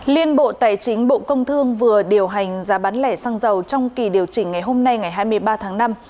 liên bộ tài chính bộ công thương vừa điều hành giá bán lẻ xăng dầu trong kỳ điều chỉnh ngày hôm nay ngày hai mươi ba tháng năm